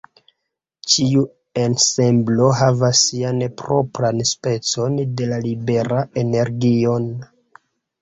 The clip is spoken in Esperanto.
Ĉiu ensemblo havas sian propran specon de la libera energion.